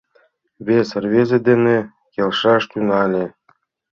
Вес рвезе дене келшаш тӱҥале.